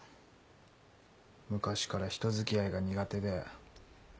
昔から人付き合いが苦手で。